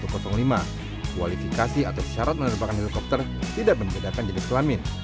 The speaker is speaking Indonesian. kualifikasi atau syarat penerbangan helikopter tidak membedakan jenis pelamin